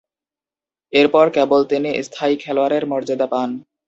এরপরই কেবল তিনি স্থায়ী খেলোয়াড়ের মর্যাদা পান।